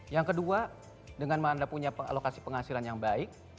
yang kedua dengan anda punya alokasi penghasilan yang baik